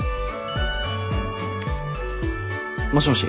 もしもし。